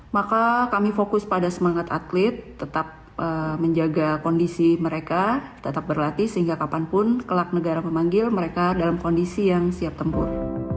maka kami fokus pada semangat atlet tetap menjaga kondisi mereka tetap berlatih sehingga kapanpun kelak negara memanggil mereka dalam kondisi yang siap tempur